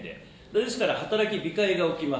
ですから、働き控えが起きます。